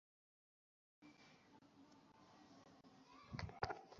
বেশ ভালো খেতে।